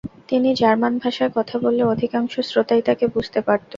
তিনি জার্মান ভাষায় কথা বললে অধিকাংশ শ্রোতাই তাকে বুঝতে পারত।